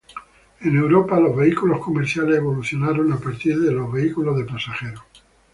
En Europa los vehículos comerciales evolucionaron a partir de los vehículos de pasajeros.